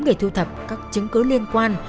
để thu thập các chứng cứ liên quan